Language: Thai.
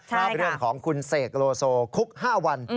เรื่องของคุณเสกโลโซคุก๕วัน